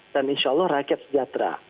dan insya allah rakyat sejahtera